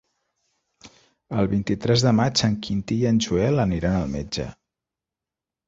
El vint-i-tres de maig en Quintí i en Joel aniran al metge.